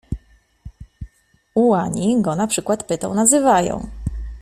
Ułani go na przykład pytą nazywają.